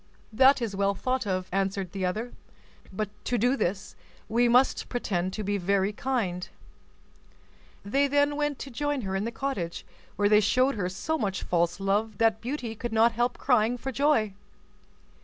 "That is well thought of," answered the other, "but to do this, we must pretend to be very kind." They then went to join her in the cottage, where they showed her so much false love that Beauty could not help crying for joy.